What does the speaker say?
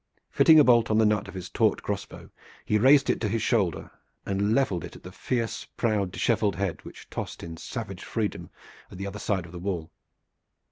Fitting a bolt on the nut of his taut crossbow, he had raised it to his shoulder and leveled it at the fierce, proud, disheveled head which tossed in savage freedom at the other side of the wall.